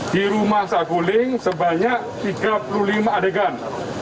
di rumah saguling sebanyak tiga puluh lima adegan